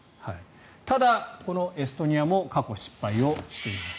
ただ、このエストニアも過去、失敗をしています。